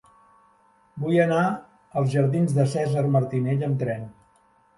Vull anar als jardins de Cèsar Martinell amb tren.